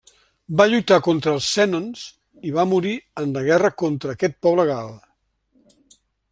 Va lluitar contra els sènons i va morir en la guerra contra aquest poble gal.